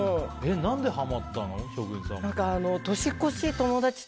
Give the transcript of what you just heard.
何でハマったの？